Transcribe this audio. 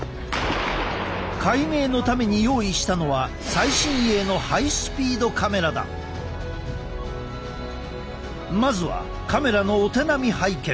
解明のために用意したのはまずはカメラのお手並み拝見。